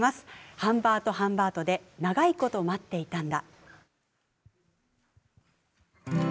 ハンバートハンバートで「長いこと待っていたんだ」。